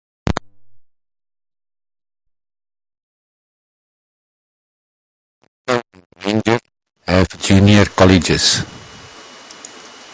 Two Eastland County communities, Cisco and Ranger, have junior colleges.